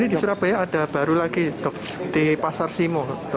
di surabaya ada baru lagi dok di pasar simo